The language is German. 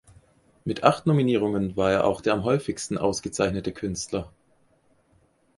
Mit acht Nominierungen war er auch der am häufigsten ausgezeichnete Künstler.